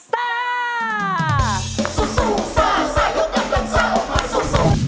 สู้ซ่าซ่ายกกำลังซ่าร่มพันธุ์สู้